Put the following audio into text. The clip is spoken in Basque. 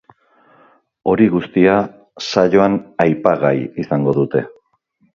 Hori guztia saioan aipagai izango dute.